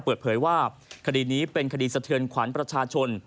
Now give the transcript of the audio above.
เปิดเผยว่าคดีนี้เป็นคดีสะเทือนขวัญประชาชน